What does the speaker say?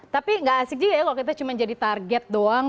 tapi gak asik juga ya kalau kita cuma jadi target doang